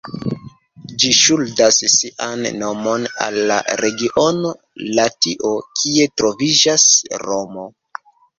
Ĝi ŝuldas sian nomon al la regiono Latio, kie troviĝas Romo.